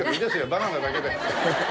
バナナだけで。